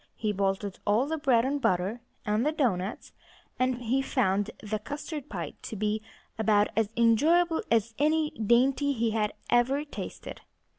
He bolted all the bread and butter, and the doughnuts; and he found the custard pie to be about as enjoyable as any dainty he had ever tasted.